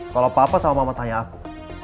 kalau papa sama mama tayang aku